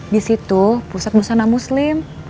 di situ pusat busana muslim